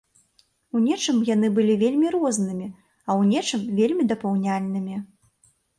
У нечым яны былі вельмі рознымі, а ў нечым вельмі дапаўняльнымі.